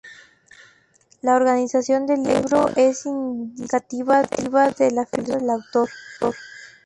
La organización del libro es indicativa de la filosofía del autor.